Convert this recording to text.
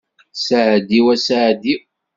Saɛd-iw a saɛd-iw.